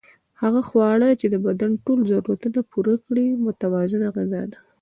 هغه خواړه چې د بدن ټول ضرورتونه پوره کړي متوازنه غذا ده